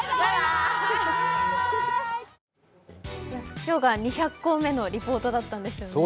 今日が２００校目のリポートだったんですけどね。